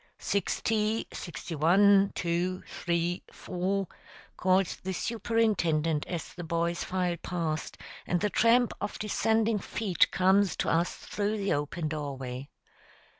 "Sixty, sixty one, two, three, four," calls the Superintendent as the boys file past, and the tramp of descending feet comes to us through the open doorway.